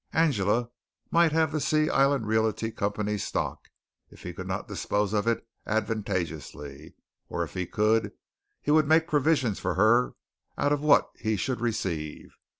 Angela might have the Sea Island Realty Company's stock, if he could not dispose of it advantageously, or if he could, he would make provision for her out of what he should receive.